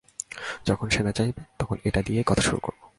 যখন সেনা চাইবে তখন এটা দিয়েই কথা শুরু করবে।